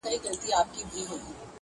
له حیا نه چي سر کښته وړې خجل سوې,